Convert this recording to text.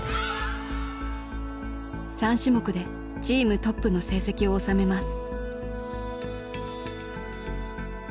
３種目でチームトップの成績をおさめます。